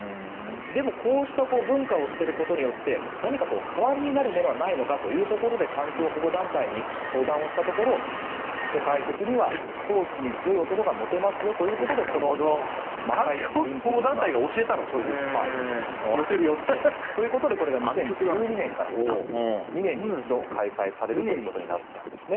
でも、こうした文化を捨てることによって何か代わりになるものはないのかということで環境保護団体に相談をしたところ世界的には、スポーツに強い男がモテますよと。ということでこれが２０１２年から２年に一度、開催されることになったんですね。